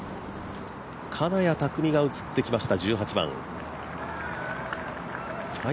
金谷拓実が映ってきました。